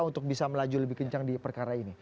untuk bisa melaju lebih kencang di perkara ini